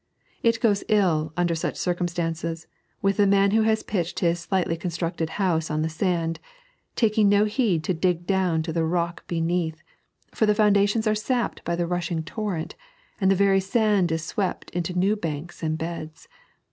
It goes ill, under such circumstances, with the man who has pitched his slightly constructed house on the sand, taking no heed to dig down to the rock beneath, for the foundations are sapped by the rushing torrent, and the very sand is swept into new banks and beds.